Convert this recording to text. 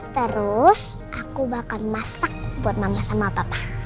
terus aku bakal masak buat mama sama papa